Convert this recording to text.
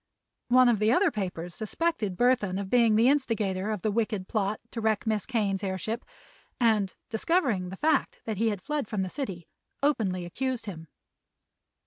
One of the other papers suspected Burthon of being the instigator of the wicked plot to wreck Miss Kane's airship and, discovering the fact that he had fled from the city, openly accused him.